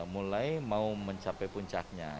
mulai mau mencapai puncaknya